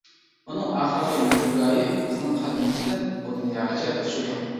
ئۇنىڭ ئاخىرقى مەنزىلگاھى بىزنىڭ قەلبىمىزدىن ئۇ دۇنياغىچە تۇتىشىدۇ.